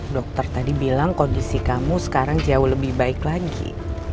dokter tadi bilang kondisi kamu sekarang jauh lebih baik lagi